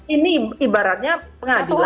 ini ibaratnya pengadilan atau pasar